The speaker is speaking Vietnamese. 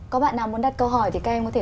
có bạn nào muốn đặt câu hỏi thì các em có thể